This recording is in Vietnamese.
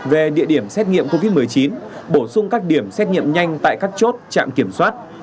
về địa điểm xét nghiệm covid một mươi chín bổ sung các điểm xét nghiệm nhanh tại các chốt trạm kiểm soát